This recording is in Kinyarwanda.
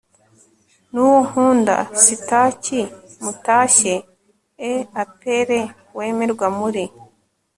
n uwo nkunda Sitaki Mutashye e Apele wemerwa muri